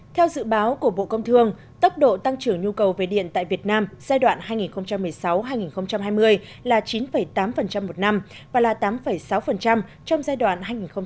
theo dự báo của bộ công thương tốc độ tăng trưởng nhu cầu về điện tại việt nam giai đoạn hai nghìn một mươi sáu hai nghìn hai mươi là chín tám một năm và là tám sáu trong giai đoạn hai nghìn một mươi sáu hai nghìn hai mươi